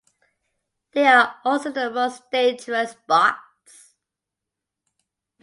They are also the most dangerous bots.